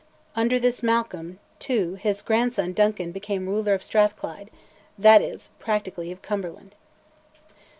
Under this Malcolm, too, his grandson, Duncan, became ruler of Strathclyde that is, practically, of Cumberland.